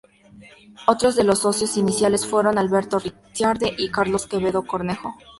Otros de los socios iniciales fueron Alberto Ricciardi y Carlos Quevedo Cornejo.